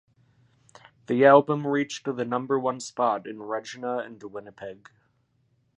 The album reached the number one spot in Regina and Winnipeg.